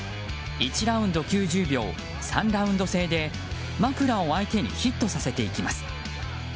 １ラウンド９０秒３ラウンド制で枕を相手にヒットさせていきます。